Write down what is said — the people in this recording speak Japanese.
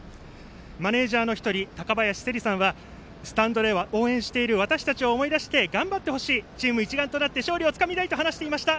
マネージャーの１人たかばやしせりさんはスタンドで応援している私たちを思い出して頑張ってほしいチーム一丸となって勝利をつかみたいと話していました。